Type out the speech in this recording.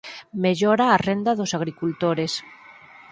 Mellora a renda dos agricultores